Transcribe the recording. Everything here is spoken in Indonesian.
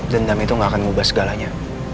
dendam itu gak akan mengubah segalanya